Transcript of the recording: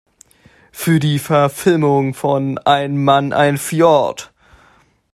Für die Verfilmung von "Ein Mann, ein Fjord!